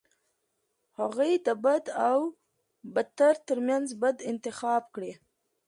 هغوی د بد او بدتر ترمنځ بد انتخاب کړي.